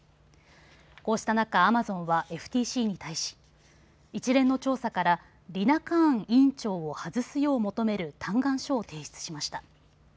こうした中、アマゾンはＦＴＣに対し一連の調査からリナ・カーン委員長を外すよう求める嘆願書を提出しました。